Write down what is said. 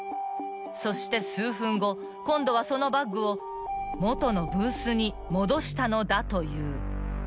［そして数分後今度はそのバッグを元のブースに戻したのだという］